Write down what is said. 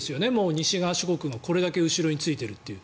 西側諸国がこれだけ後ろについているという。